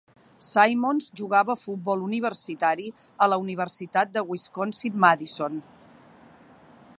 Simmons jugava a futbol universitari a la Universitat de Wisconsin-Madison.